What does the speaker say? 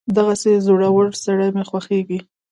دغسې زړور سړی مې خوښېږي.